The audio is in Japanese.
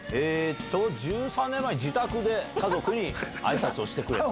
「１３年前自宅で家族に挨拶をしてくれた」。